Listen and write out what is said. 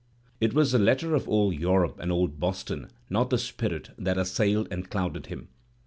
It was the letter of old Europe and old Boston, not the spirit, that assailed and clouded him.